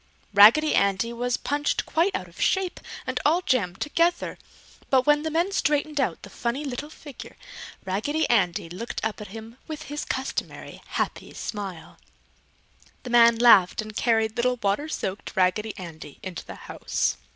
Raggedy Andy was punched quite out of shape and all jammed together, but when the man straightened out the funny little figure, Raggedy Andy looked up at him with his customary happy smile. The man laughed and carried little water soaked Raggedy Andy into the house.